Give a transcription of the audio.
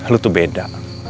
lo tuh beda